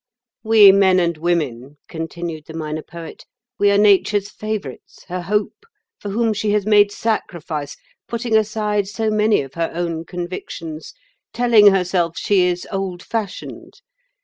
"We men and women," continued the Minor Poet, "we are Nature's favourites, her hope, for whom she has made sacrifice, putting aside so many of her own convictions, telling herself she is old fashioned.